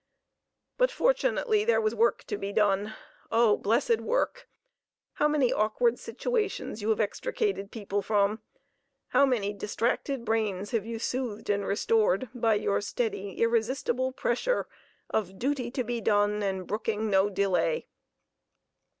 But fortunately there was work to be done. Oh, blessed work! how many awkward situations you have extricated people from! How many distracted brains have you soothed and restored, by your steady, irresistible pressure of duty to be done and brooking of no delay!